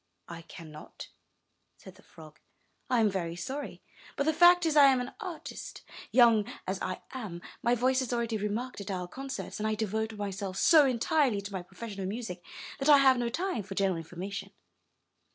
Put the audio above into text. '*I cannot," said the frog. '1 am very sorry, but the fact is, I am an artist. Young as I am, my voice is already remarked at our concerts, and I devote myself so entirely to my profession of music that I have no time for general information.